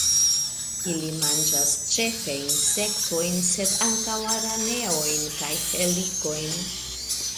Ili manĝas ĉefe insektojn, sed ankaŭ araneojn kaj helikojn.